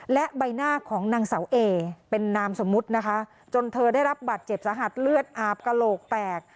และใบหน้าของนางเสาเอเป็นนามสมมุตินะคะจนเธอได้รับบัตรเจ็บสาหัสเลือดอาบกระโหลกแตก